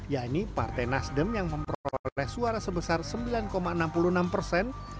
yakni partai nasdem yang memperoleh suara sebesar sembilan enam puluh enam persen